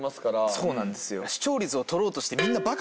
そうなんですよ。